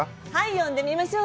呼んでみましょう。